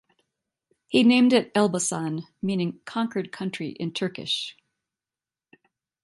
He named it Elbasan, meaning 'conquered country' in Turkish.